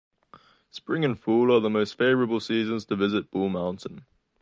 Spring and fall are the most favorable seasons to visit Bull Mountain.